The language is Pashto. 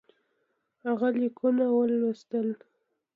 هغه لیکونه واستول.